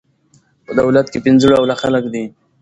په دولت کښي پنځه ډوله خلک دي.